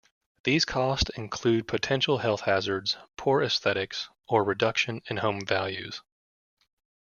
These costs include potential health hazards, poor aesthetics, or reduction in home values.